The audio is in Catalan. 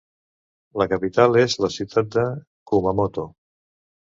La capital és la ciutat de Kumamoto.